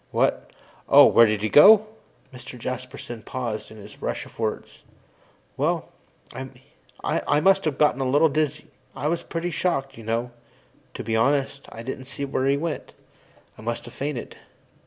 What? Oh. Where did he go?" Mr. Jasperson paused in his rush of words. "Well, I must have gotten a little dizzy I was pretty shocked, you know. To be honest, I didn't see where he went. I must have fainted.